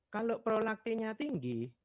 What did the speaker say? kalau prolaktinnya tinggi